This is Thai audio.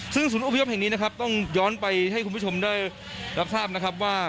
ซึ่งศูนย์อพยพแห่งนี้นะครับต้องย้อนไปให้คุณผู้ชมได้รับทราบนะครับว่า